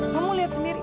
kamu lihat sendiri nen